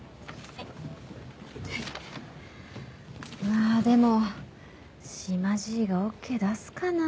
まあでも島ジイがＯＫ出すかな？